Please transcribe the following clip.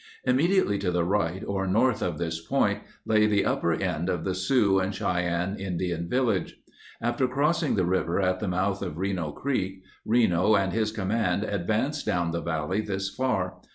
Immediately to the right, or north, of this point lay the upper end of the Sioux and Cheyenne Indian village. After crossing the river at the mouth of Reno Creek, Reno and his command advanced down the valley this far.